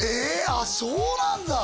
あっそうなんだ